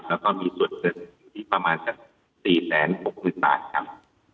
แล้วก็มีส่วนเกินอยู่ที่ประมาณสัก๔๖๐๐๐บาทครับ